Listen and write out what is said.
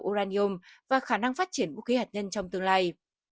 uraniom và khả năng phát triển vũ khí hạt nhân trong tương lai